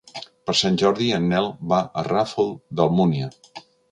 Per Sant Jordi en Nel va al Ràfol d'Almúnia.